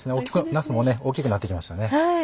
なすも大っきくなってきました。